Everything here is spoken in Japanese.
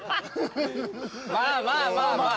まあまあまあまあ。